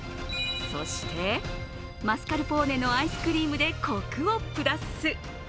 そして、マスカルポーネのアイスクリームでコクをプラス。